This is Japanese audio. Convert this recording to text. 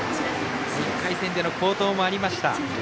１回戦での好投もありました。